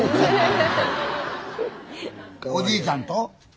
おじいちゃんと？